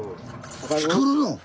作るの？